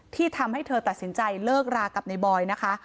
ที่ทำให้เธอตัดสินใจเลิกรากับในบอยนะคะ